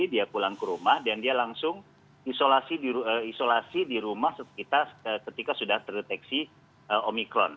dia pulang ke rumah dan dia langsung isolasi di rumah ketika sudah terdeteksi omikron